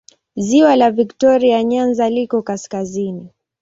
Ziwa la Viktoria Nyanza liko kaskazini.